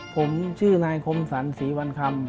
ผมชื่อนายโคมสันสีวรรค์คล่ำ